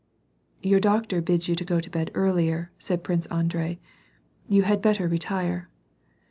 ^^ "Your doctor bids you go to bed earlier," said Prince Andrei. " You had better retire."